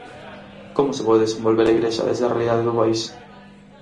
Como se pode desenvolver a Igrexa desde a realidade do país?